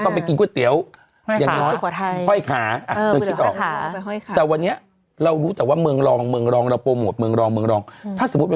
ทุกคนจะลืมป่าอ้าป่า